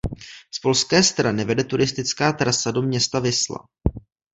Z polské strany vede turistická trasa do města Visla.